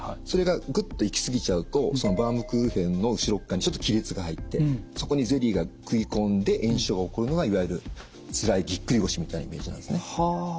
それがグッと行き過ぎちゃうとそのバームクーヘンの後ろ側にちょっと亀裂が入ってそこにゼリーが食い込んで炎症が起こるのがいわゆるつらいぎっくり腰みたいなイメージなんですね。